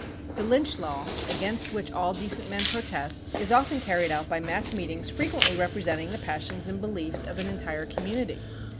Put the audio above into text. The lynch law, against which all decent men protest, is often carried out by mass meet ings frequently representing the passions and beliefs of an entire community.